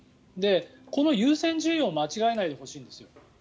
この優先順位を間違えないでほしいんです